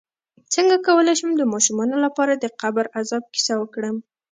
څنګه کولی شم د ماشومانو لپاره د قبر عذاب کیسه وکړم